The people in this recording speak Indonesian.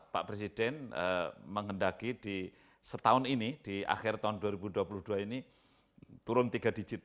pak presiden menghendaki di setahun ini di akhir tahun dua ribu dua puluh dua ini turun tiga digit